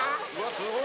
すごい！